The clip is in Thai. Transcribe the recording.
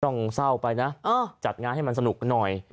เศร้าไปนะจัดงานให้มันสนุกหน่อย